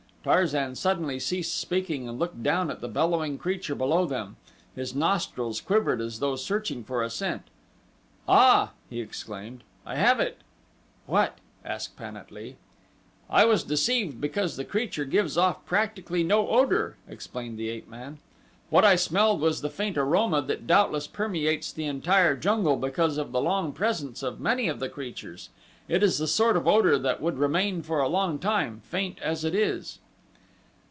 Tarzan suddenly ceased speaking and looked down at the bellowing creature below them his nostrils quivered as though searching for a scent. "Ah!" he exclaimed. "I have it!" "What?" asked Pan at lee. "I was deceived because the creature gives off practically no odor," explained the ape man. "What I smelled was the faint aroma that doubtless permeates the entire jungle because of the long presence of many of the creatures it is the sort of odor that would remain for a long time, faint as it is.